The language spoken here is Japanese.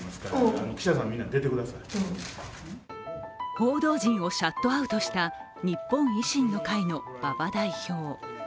報道陣をシャットアウトした日本維新の会の馬場代表。